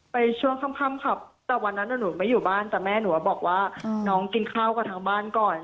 ช่วงค่ำครับแต่วันนั้นหนูไม่อยู่บ้านแต่แม่หนูบอกว่าน้องกินข้าวกับทางบ้านก่อน